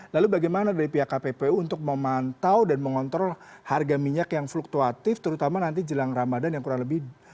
lalu bagaimana dari pihak kppu untuk memantau dan mengontrol harga minyak yang fluktuatif terutama nanti jelang ramadhan yang kurang lebih satu lima bulan lagi pak